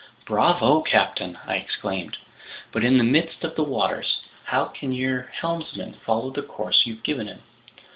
"Bravo, captain!" I exclaimed. "But in the midst of the waters, how can your helmsman follow the course you've given him?"